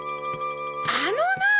あのなあ！